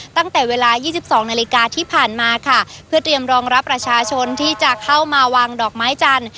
ตั้งแต่เวลา๒๒นาฬิกาที่ผ่านมาค่ะเพื่อเตรียมรองรับประชาชนที่จะเข้ามาวางดอกไม้จันทร์